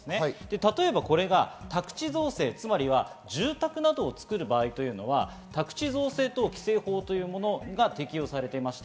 例えば、これが宅地造成、住宅などを作る場合というのは宅地造成等規制法というものが適用されています。